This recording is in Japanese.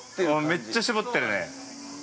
めっちゃ搾ってるね。